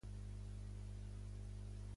El meu nom és Zainab: zeta, a, i, ena, a, be.